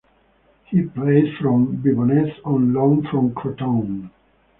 He plays for Vibonese on loan from Crotone.